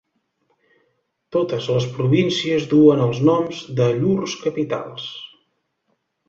Totes les províncies duen els noms de llurs capitals.